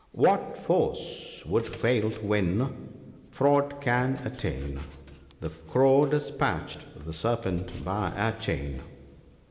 "What force would fail to win, r raud can attain : The Crow despatched the Serpent by a chain.